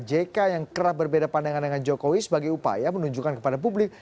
jk yang kerap berbeda pandangan dengan jokowi sebagai upaya menunjukkan kepada publik